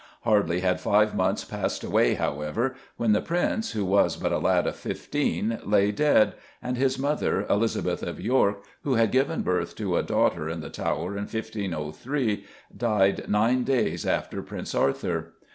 Hardly had five months passed away, however, when the Prince, who was but a lad of fifteen, lay dead, and his mother, Elizabeth of York, who had given birth to a daughter in the Tower in 1503, died nine days after Prince Arthur.